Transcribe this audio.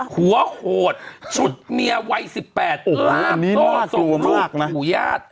หัวโหดชุดเมียวัย๑๘โอ้โหน่าโกรธโตส่งลูกผู้ญาติ